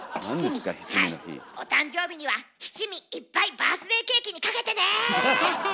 お誕生日には七味いっぱいバースデーケーキにかけてね！